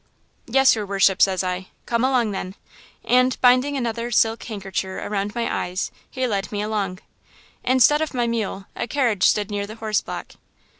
"'Yes, your worship,' says I. "'Come along, then.' "And, binding another silk hankercher round my eyes, he led me along. "Instead of my mule, a carriage stood near the horseblock.